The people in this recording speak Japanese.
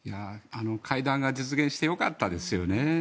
会談が実現してよかったですよね。